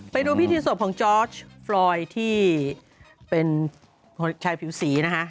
ไปดูพิธีศพของจอร์ชฟลอยที่เป็นชายผิวสีนะคะ